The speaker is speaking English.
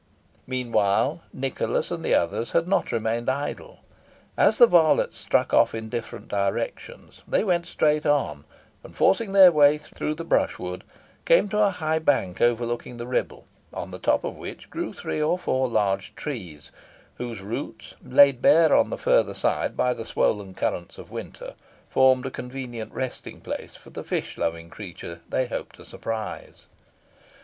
Meanwhile, Nicholas and the others had not remained idle. As the varlets struck off in different directions, they went straight on, and forcing their way through the brushwood, came to a high bank overlooking the Ribble, on the top of which grew three or four large trees, whose roots, laid bare on the further side by the swollen currents of winter, formed a convenient resting place for the fish loving creature they hoped to surprise.